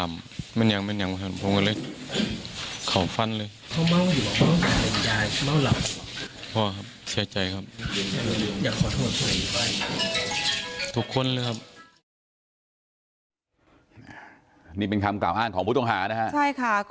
พี่ญาณครับพี่ยานพูดดีเลยคือกับผมออกมาเขากลิ่นเมาให้หลัก